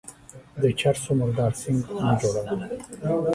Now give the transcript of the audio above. د چر سو مردار سنگ مه جوړوه.